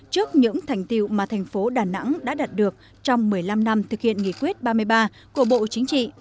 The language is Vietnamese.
trước những thành tiêu mà thành phố đà nẵng đã đạt được trong một mươi năm năm thực hiện nghị quyết ba mươi ba của bộ chính trị